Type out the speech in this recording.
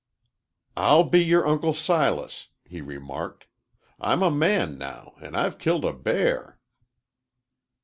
"I'll be your Uncle Silas," he remarked. "I'm a man now, an' I've killed a bear."